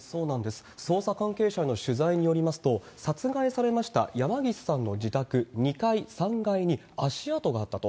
捜査関係者への取材によりますと、殺害されました山岸さんの自宅２階、３階に足跡があったと。